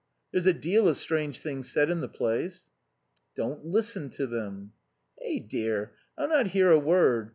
There's a deal of strange things said in the place." "Don't listen to them." "Eh dear, I'll not 'ear a word.